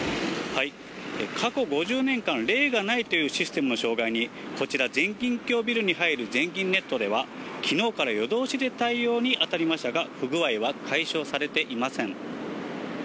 過去５０年間、例がないというシステムの障害に、こちら、全銀協ビルに入る全銀ネットでは、きのうから夜通しで対応に当たりましたが、不具合は解消されていません。